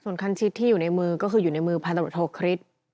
ส่วนคันที่อยู่ในมือก็คือในมือพมัตตโรคฮรีศ